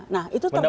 nah itu tergantung